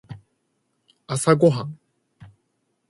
朝ごはん